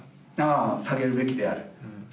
あ下げるべきである。